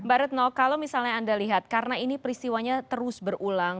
mbak retno kalau misalnya anda lihat karena ini peristiwanya terus berulang